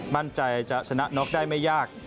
มั่นใจจะชนะน็อกได้ไม่ยาก